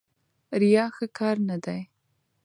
ریا ښه کار نه دی.